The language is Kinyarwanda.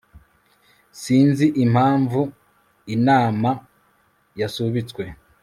sinzi impamvu inama yasubitswe